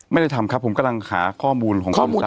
ไม่ได้ทำครับผมกำลังหาข้อมูลของคำสั่ง